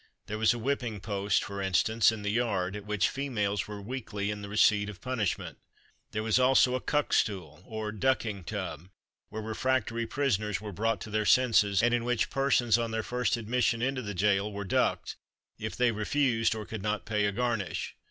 There was a whipping post, for instance, in the yard, at which females were weekly in the receipt of punishment. There was also "a cuckstool," or ducking tub, where refractory prisoners were brought to their senses, and in which persons on their first admission into the gaol were ducked, if they refused or could not pay "a garnish."